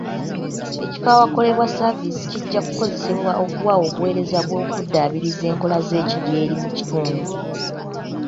Ekifo awakolebwa saaviisi kijja kukozesebwa okuwa obuweereza bw'okuddaabiriza enkola z'ekidyeri mu kitundu.